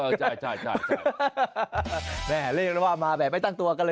นะฮะเล่นด้วยว่ามาแบบไม่ตั้งตัวกัน